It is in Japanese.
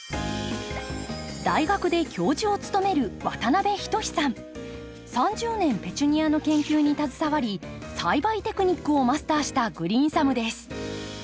大学で教授を務める３０年ペチュニアの研究に携わり栽培テクニックをマスターしたグリーンサムです。